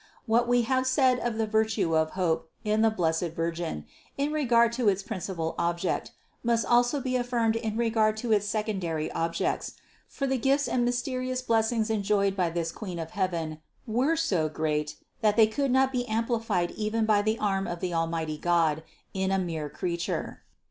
What we have said of the virtue of 392 CITY OF GOD hope in the blessed Virgin in regard to its principal ob ject must also be affirmed in regard to its secondary ob jects, for the gifts and mysterious blessings enjoyed by this Queen of Heaven were so great that they could not be amplified even by the arm of the Almighty God in a mere creature.